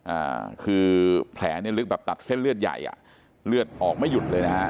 อ่าคือแผลเนี่ยลึกแบบตัดเส้นเลือดใหญ่อ่ะเลือดออกไม่หยุดเลยนะฮะ